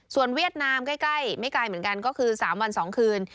เวียดนามใกล้ไม่ไกลเหมือนกันก็คือ๓วัน๒คืน